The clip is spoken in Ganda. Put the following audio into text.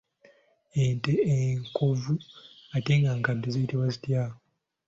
Ente enkovvu ate nga nkadde ziyitibwa zitya?